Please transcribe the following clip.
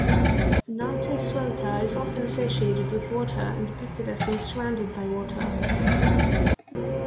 Nantosuelta is often associated with water and depicted as being surrounded by water.